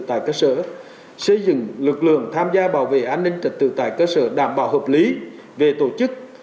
tại cơ sở xây dựng lực lượng tham gia bảo vệ an ninh trật tự tại cơ sở đảm bảo hợp lý về tổ chức